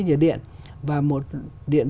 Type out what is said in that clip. nhiệt điện và một điện